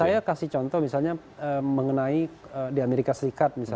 saya kasih contoh misalnya di amerika serikat